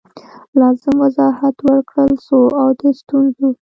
لازم وضاحت ورکړل سو او د ستونزو